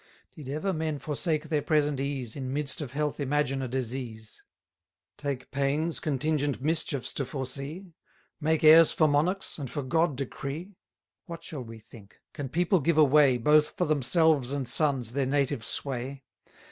Did ever men forsake their present ease, In midst of health imagine a disease; Take pains contingent mischiefs to foresee, Make heirs for monarchs, and for God decree? What shall we think? Can people give away, Both for themselves and sons, their native sway?